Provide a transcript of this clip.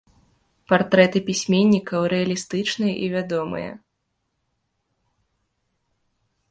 Партрэты пісьменнікаў рэалістычныя і вядомыя.